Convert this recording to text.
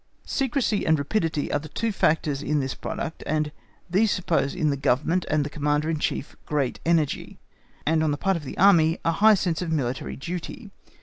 Secrecy and rapidity are the two factors in this product and these suppose in the Government and the Commander in Chief great energy, and on the part of the Army a high sense of military duty.